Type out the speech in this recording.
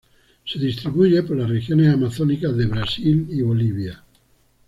Se distribuye por las regiones amazónicas de Brasil y Bolivia.